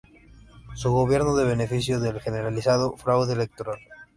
Su gobierno se benefició del generalizado fraude electoral.